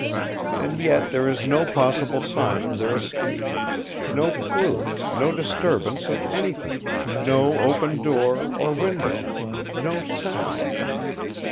And yet there is no possible sign of their escape; no clue, no disturbance of anything; no open door or window; no sound.